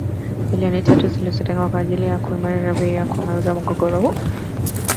Milioni tatu zilizotengwa kwa ajili ya kuimarisha bei na kumaliza mgogoro huo.